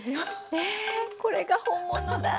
ねえこれが本物だ。